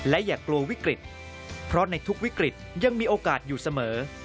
อย่ากลัววิกฤตเพราะในทุกวิกฤตยังมีโอกาสอยู่เสมอ